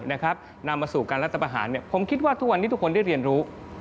นำมาสู่การรัฐประหารผมคิดว่าทุกวันนี้ทุกคนได้เรียนรู้